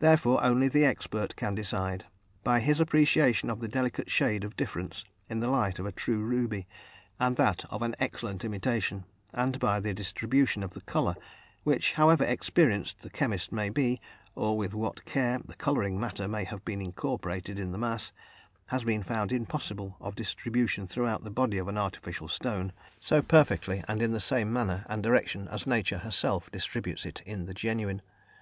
Therefore, only the expert can decide, by his appreciation of the delicate shade of difference in the light of a true ruby and that of an excellent imitation, and by the distribution of the colour, which however experienced the chemist may be, or with what care the colouring matter may have been incorporated in the mass has been found impossible of distribution throughout the body of an artificial stone so perfectly and in the same manner and direction as nature herself distributes it in the genuine.